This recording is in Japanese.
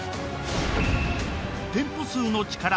店舗数の力！